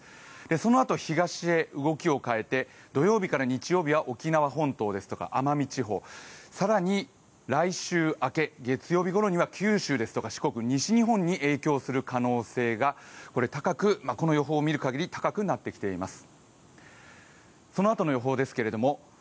そのあと東へ動きを変えて土曜日から日曜日は沖縄本島ですとか奄美地方、更に来週明け月曜日ごろには九州ですとか四国、西日本に影響する可能性がこの予報を見るかぎり高くなっています。